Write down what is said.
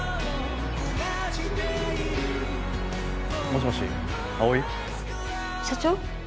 もしもし葵？社長？